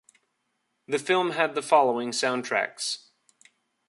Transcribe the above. The film had the following sound-tracks.